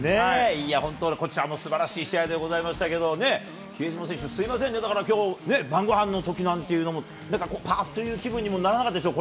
いやぁ、本当、こちらもすばらしい試合でございましたけど、比江島選手、すみませんね、だからきょう、晩ごはんのときなんていうのも、なんかぱーっという気分にもならなかったんです？